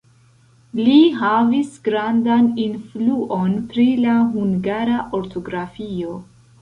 Li havis grandan influon pri la hungara ortografio.